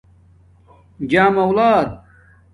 جام الات